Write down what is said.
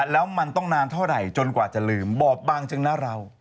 แล้วมันต้องนานเท่าไหร่จนกว่าจะลืมบอบบางจังนะเรา